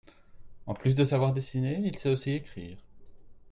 En plus de savoir dessiner il sait aussi écrire.